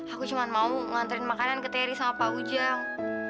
aku cuma mau nganterin makanan ke teri sama pak ujang